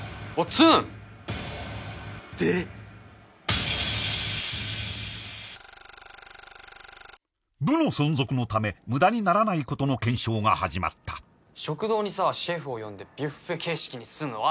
ツンデレ部の存続のため無駄にならないことの検証が始まった食堂にさシェフを呼んでビュッフェ形式にすんのは？